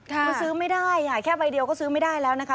คือซื้อไม่ได้แค่ใบเดียวก็ซื้อไม่ได้แล้วนะคะ